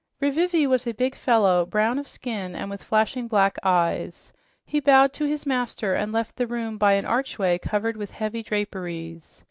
Rivivi was a big fellow, brown of skin and with flashing, black eyes. He bowed to his master and left the room by an archway covered with heavy draperies.